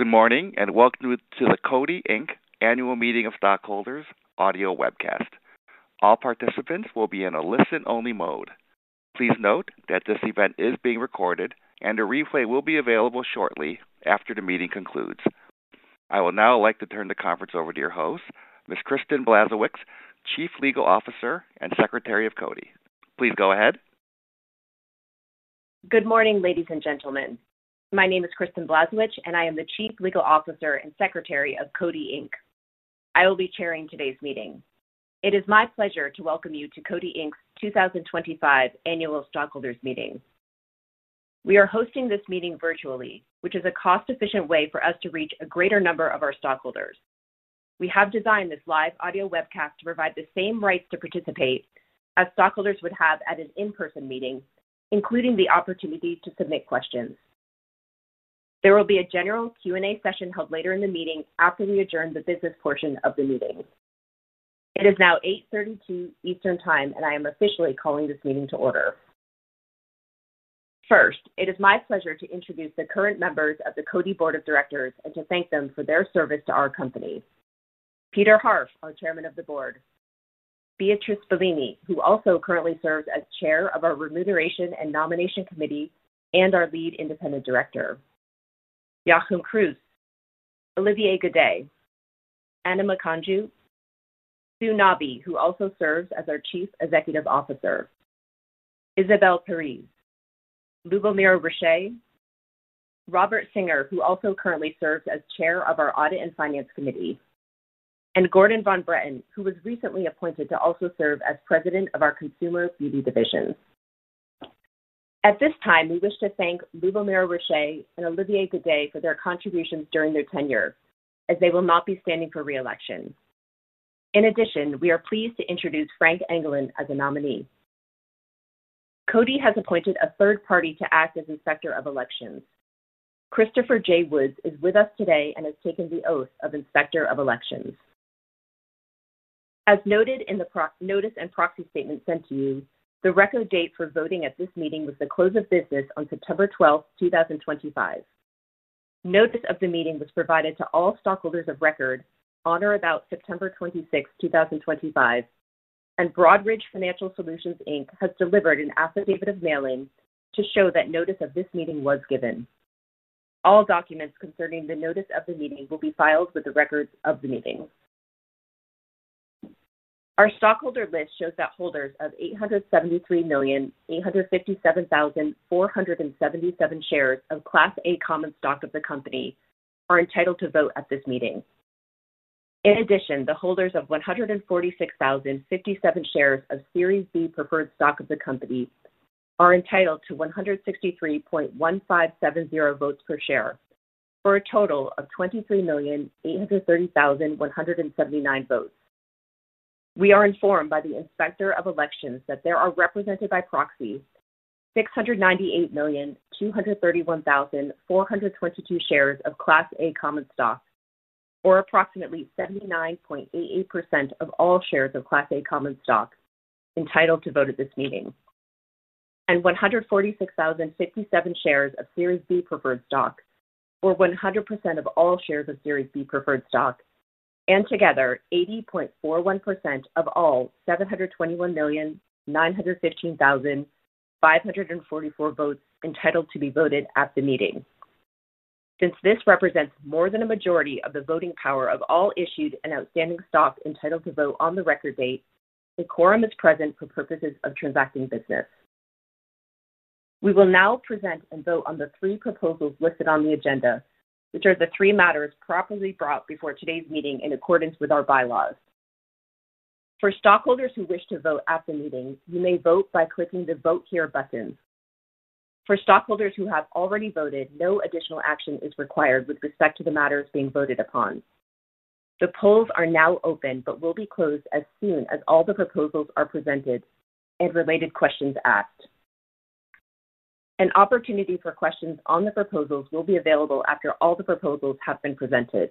Good morning and welcome to the Coty Annual Meeting of Stockholders audio webcast. All participants will be in a listen-only mode. Please note that this event is being recorded, and a replay will be available shortly after the meeting concludes. I would now like to turn the conference over to your host, Ms. Kristin Blazewicz, Chief Legal Officer and Secretary of Coty. Please go ahead. Good morning, ladies and gentlemen. My name is Kristin Blazewicz, and I am the Chief Legal Officer and Secretary of Coty. I will be chairing today's meeting. It is my pleasure to welcome you to Coty's 2025 Annual Stockholders Meeting. We are hosting this meeting virtually, which is a cost-efficient way for us to reach a greater number of our stockholders. We have designed this live audio webcast to provide the same rights to participate as stockholders would have at an in-person meeting, including the opportunity to submit questions. There will be a general Q&A session held later in the meeting after we adjourn the business portion of the meeting. It is now 8:32 A.M. Eastern Time, and I am officially calling this meeting to order. First, it is my pleasure to introduce the current members of the Coty Board of Directors and to thank them for their service to our company. Peter Harf, our Chairman of the Board. Beatrice Bellini, who also currently serves as Chair of our Remuneration and Nomination Committee and our Lead Independent Director. Yahoom Cruz. Olivier Gadet. Anna Makanju. Sue Nabi, who also serves as our Chief Executive Officer. Isabelle Perez. Lubomir Rache. Robert Singer, who also currently serves as Chair of our Audit and Finance Committee. Gordon Von Bretten, who was recently appointed to also serve as President of our Consumer Beauty Division. At this time, we wish to thank Lubomir Rache and Olivier Gadet for their contributions during their tenure, as they will not be standing for reelection. In addition, we are pleased to introduce Frank Engelin as a nominee. Coty has appointed a third party to act as Inspector of Elections. Christopher J. Woods is with us today and has taken the oath of Inspector of Elections. As noted in the notice and proxy statement sent to you, the record date for voting at this meeting was the close of business on September 12, 2025. Notice of the meeting was provided to all stockholders of record on or about September 26, 2025. Broadridge Financial Solutions Inc. has delivered an affidavit of mailing to show that notice of this meeting was given. All documents concerning the notice of the meeting will be filed with the records of the meeting. Our stockholder list shows that holders of 873,857,477 shares of Class A Common Stock of the company are entitled to vote at this meeting. In addition, the holders of 146,057 shares of Series B Preferred Stock of the company. Are entitled to 163.1570 votes per share for a total of 23,830,179 votes. We are informed by the Inspector of Elections that there are represented by proxies 698,231,422 shares of Class A Common Stock, or approximately 79.88% of all shares of Class A Common Stock entitled to vote at this meeting, and 146,057 shares of Series B Preferred Stock, or 100% of all shares of Series B Preferred Stock, and together 80.41% of all 721,915,544 votes entitled to be voted at the meeting. Since this represents more than a majority of the voting power of all issued and outstanding stock entitled to vote on the record date, the quorum is present for purposes of transacting business. We will now present and vote on the three proposals listed on the agenda, which are the three matters properly brought before today's meeting in accordance with our bylaws. For stockholders who wish to vote at the meeting, you may vote by clicking the Vote Here button. For stockholders who have already voted, no additional action is required with respect to the matters being voted upon. The polls are now open but will be closed as soon as all the proposals are presented and related questions asked. An opportunity for questions on the proposals will be available after all the proposals have been presented.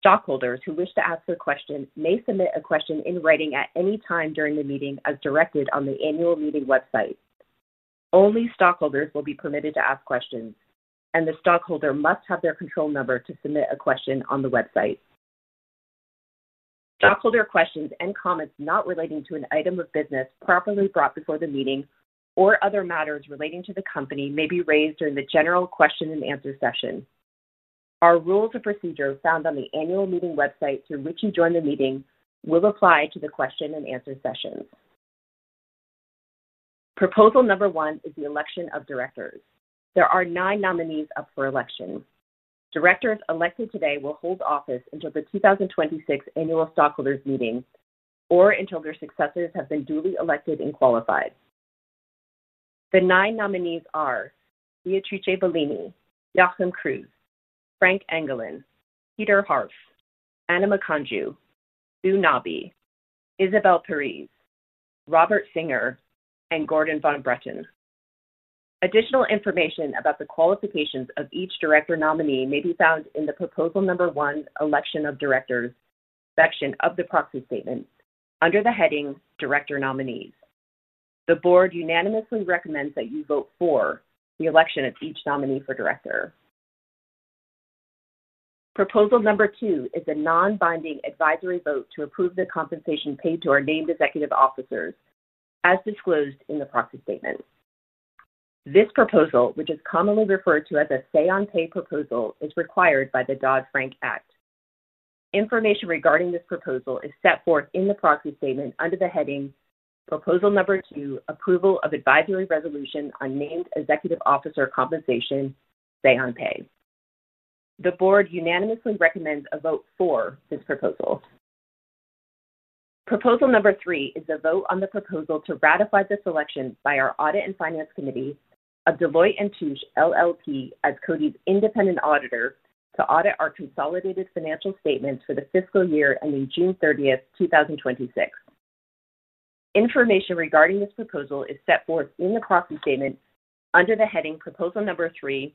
Stockholders who wish to ask a question may submit a question in writing at any time during the meeting as directed on the annual meeting website. Only stockholders will be permitted to ask questions, and the stockholder must have their control number to submit a question on the website. Stockholder questions and comments not relating to an item of business properly brought before the meeting or other matters relating to the company may be raised during the general question and answer session. Our rules of procedure found on the annual meeting website through which you join the meeting will apply to the question and answer sessions. Proposal number one is the election of directors. There are nine nominees up for election. Directors elected today will hold office until the 2026 Annual Stockholders Meeting or until their successors have been duly elected and qualified. The nine nominees are Beatrice Bellini, Yahoom Cruz, Frank Engelin, Peter Harf, Anna Makanju, Sue Nabi, Isabelle Perez, Robert Singer, and Gordon Von Bretten. Additional information about the qualifications of each director nominee may be found in the Proposal Number One election of directors section of the proxy statement under the heading Director Nominees. The board unanimously recommends that you vote for the election of each nominee for director. Proposal number two is a non-binding advisory vote to approve the compensation paid to our named executive officers, as disclosed in the proxy statement. This proposal, which is commonly referred to as a say-on-pay proposal, is required by the Dodd-Frank Act. Information regarding this proposal is set forth in the proxy statement under the heading Proposal Number Two: Approval of Advisory Resolution on Named Executive Officer Compensation Say-on-Pay. The board unanimously recommends a vote for this proposal. Proposal number three is a vote on the proposal to ratify the selection by our Audit and Finance Committee of Deloitte & Touche, LLP as Coty's independent auditor to audit our consolidated financial statements for the fiscal year ending June 30, 2026. Information regarding this proposal is set forth in the proxy statement under the heading Proposal Number Three: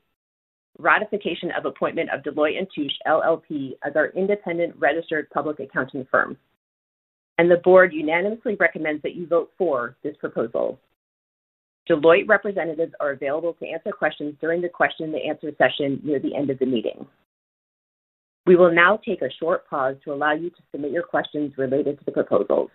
Ratification of Appointment of Deloitte & Touche, LLP as our independent registered public accounting firm. The board unanimously recommends that you vote for this proposal. Deloitte representatives are available to answer questions during the question-and-answer session near the end of the meeting. We will now take a short pause to allow you to submit your questions related to the proposals.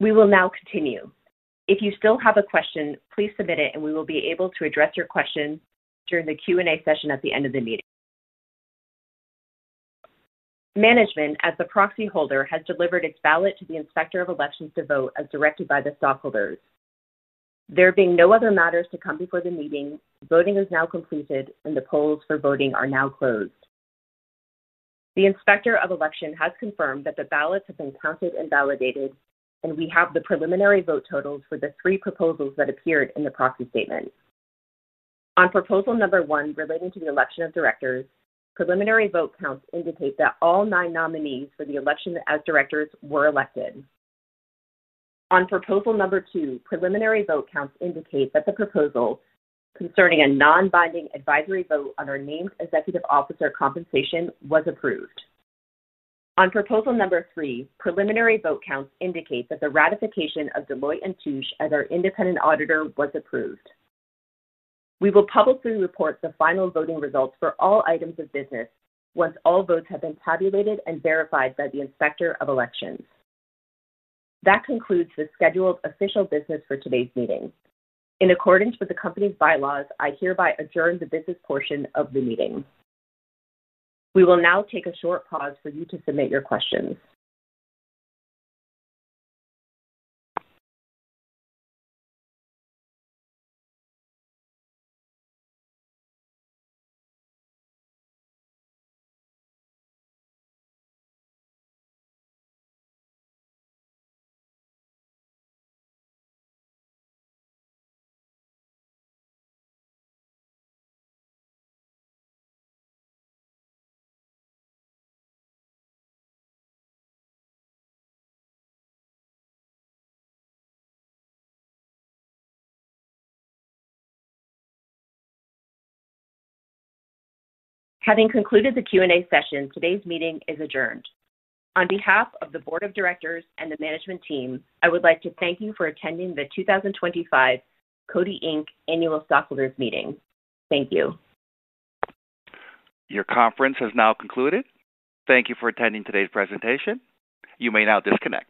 We will now continue. If you still have a question, please submit it, and we will be able to address your question during the Q&A session at the end of the meeting. Management, as the proxy holder, has delivered its ballot to the Inspector of Elections to vote as directed by the stockholders. There being no other matters to come before the meeting, voting is now completed and the polls for voting are now closed. The Inspector of Election has confirmed that the ballots have been counted and validated, and we have the preliminary vote totals for the three proposals that appeared in the proxy statement. On Proposal Number One relating to the election of directors, preliminary vote counts indicate that all nine nominees for the election as directors were elected. On Proposal Number Two, preliminary vote counts indicate that the proposal concerning a non-binding advisory vote on our named executive officer compensation was approved. On Proposal Number Three, preliminary vote counts indicate that the ratification of Deloitte & Touche as our independent auditor was approved. We will publicly report the final voting results for all items of business once all votes have been tabulated and verified by the Inspector of Elections. That concludes the scheduled official business for today's meeting. In accordance with the company's bylaws, I hereby adjourn the business portion of the meeting. We will now take a short pause for you to submit your questions. Having concluded the Q&A session, today's meeting is adjourned. On behalf of the Board of Directors and the Management Team, I would like to thank you for attending the 2025 Coty Annual Stockholders Meeting. Thank you. Your conference has now concluded. Thank you for attending today's presentation. You may now disconnect.